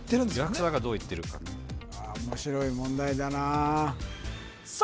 ＪＡＸＡがどう言ってるかね面白い問題だなさあ